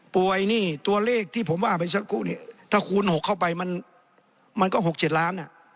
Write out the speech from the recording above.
ป่วยนี่ตัวเลขที่ผมว่าไปสักครู่นี่ถ้าคูณหกเข้าไปมันก็หกเจ็ดล้านอ่ะ